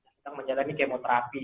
kita menjalani kemoterapi